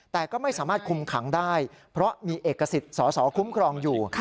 แต่ก็ไม่สามารถคุมขังได้เพราะมีเอกสิทธิ์สอสอคุ้มครองอยู่